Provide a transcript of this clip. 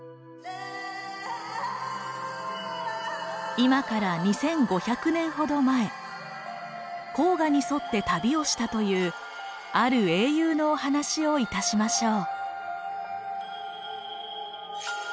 今から２，５００年ほど前黄河に沿って旅をしたというある英雄のお話をいたしましょう。